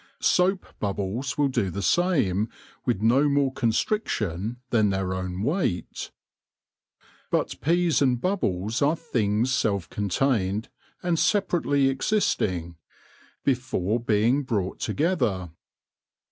Soap bubbles will do the same with no more constriction than their own weight. But peas and bubbles are things self contained and separ ately existing, before being brought together.